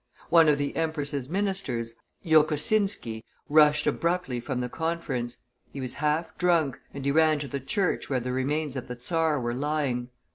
One of the empress's ministers, Jokosinski, rushed abruptly from the conference; he was half drunk, and he ran to the church where the remains of the czar were lying.